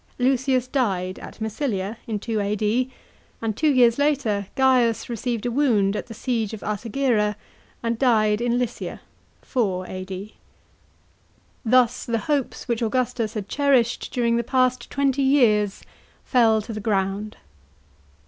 Lucius died at Massilia in 2 A.D. and two years later Grains received a wound at the siege of Artagira and died in Lycia (4 A.D.). Thus the hopes which Augustus had cherished during the past twenty years fell to the ground.